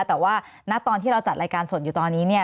แต่ว่าณตอนที่เราจัดรายการสดอยู่ตอนนี้เนี่ย